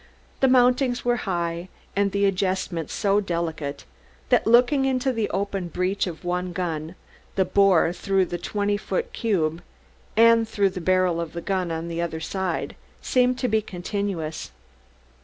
The mountings were high, and the adjustment so delicate that, looking into the open breech of one gun, the bore through the twenty foot cube and through the barrel of the gun on the other side seemed to be continuous.